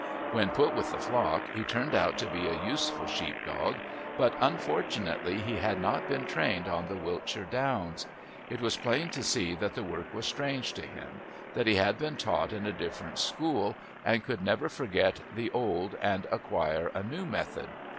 When put with the flock he turned out to be a useful sheep dog, but unfortunately he had not been trained on the Wiltshire Downs. It was plain to see that the work was strange to him, that he had been taught in a different school, and could never forget the old and acquire a new method.